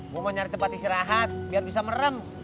mau nyari tempat istirahat biar bisa merem